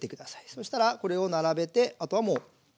そしたらこれを並べてあとはもう。